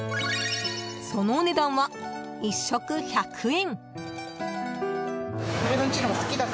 そのお値段は１食１００円！